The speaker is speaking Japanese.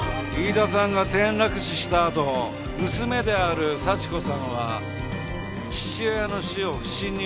飯田さんが転落死したあと娘である幸子さんは父親の死を不審に思い